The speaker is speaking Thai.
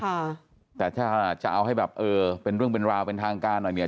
ค่ะแต่ถ้าจะเอาให้แบบเออเป็นเรื่องเป็นราวเป็นทางการหน่อยเนี้ย